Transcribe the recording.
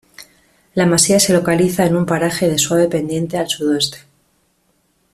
La masía se localiza en un paraje de suave pendiente al sudoeste.